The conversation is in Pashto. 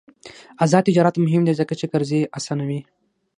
آزاد تجارت مهم دی ځکه چې قرضې اسانوي.